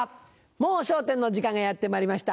『もう笑点』の時間がやってまいりました。